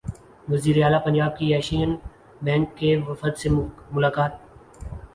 وزیراعلی پنجاب کی Asian bank کے وفد سے ملاقات